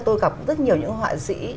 tôi gặp rất nhiều những họa sĩ